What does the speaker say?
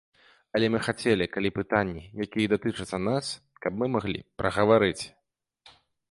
Але мы хацелі, калі пытанні, якія датычацца нас, каб мы маглі пагаварыць.